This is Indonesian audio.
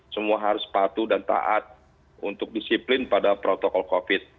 semua harus patuh dan taat untuk disiplin pada protokol covid